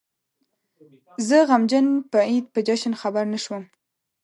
زه غمجن په عيد په جشن خبر نه شوم